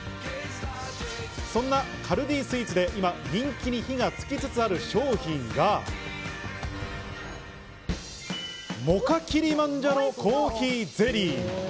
そんなカルディスイーツで今人気に火がつきつつある商品が、モカキリマンジャロコーヒーゼリー。